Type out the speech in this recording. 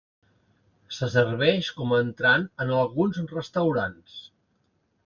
Se serveix com a entrant en alguns restaurants.